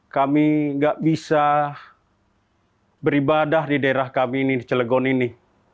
kami gak bisa beribadah di daerah kami ini di celegon ini